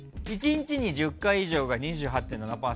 １日に１０回以上が２８．７％。